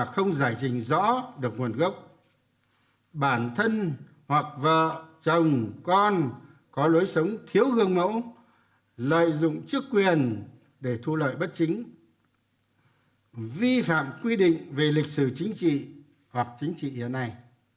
không giải trình rõ được nguồn gốc bản thân hoặc vợ chồng con có lối sống thiếu gương mẫu lợi dụng chức quyền để thu lợi bất chính vi phạm quy định về lịch sử chính trị hoặc chính trị hiện nay